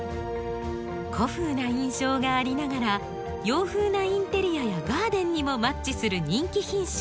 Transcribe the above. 古風な印象がありながら洋風なインテリアやガーデンにもマッチする人気品種ダンテ。